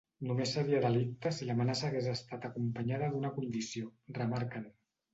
Només seria delicte si l’amenaça hagués estat acompanyada d’una condició, remarquen.